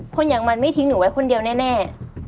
คนอย่างมันไม่ทิ้งหนูไว้คนเดียวแน่